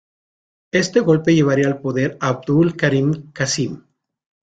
Éste golpe llevaría al poder a Abdul Karim Qasim.